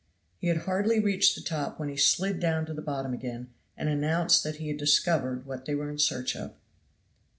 He had hardly reached the top when he slid down to the bottom again and announced that he had discovered what they were in search of.